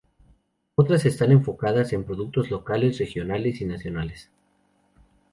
Otras están enfocadas en productos locales, regionales y nacionales.